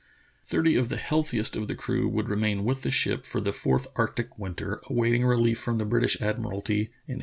Thirty of the healthiest of the crew would remain with the ship for the fourth arctic winter, awaiting rehef from the British Admiralty in 1854.